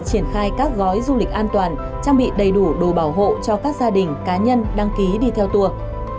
triển khai các gói du lịch an toàn trang bị đầy đủ đồ bảo hộ cho các gia đình cá nhân đăng ký đi theo tour